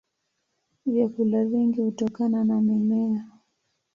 Vyakula vingi hutokana na mimea.